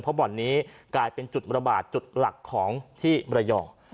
เพราะบ่อนนี้กลายเป็นจุดระบาดจุดหลักของที่มรยอง